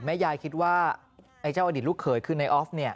แม่ยายคิดว่าไอ้เจ้าอดีตลูกเขยคือในออฟเนี่ย